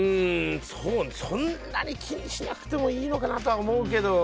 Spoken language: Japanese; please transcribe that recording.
そんなに気にしなくてもいいのかなとは思うけど。